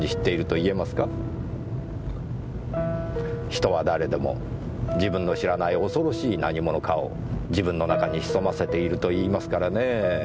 人は誰でも自分の知らない恐ろしい何ものかを自分の中に潜ませていると言いますからねぇ。